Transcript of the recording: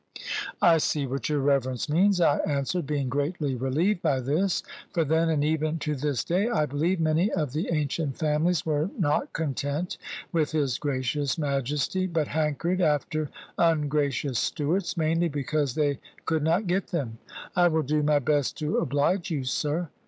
"I see what your reverence means," I answered, being greatly relieved by this; for then (and even to this day, I believe) many of the ancient families were not content with his gracious Majesty, but hankered after ungracious Stuarts, mainly because they could not get them. "I will do my best to oblige you, sir."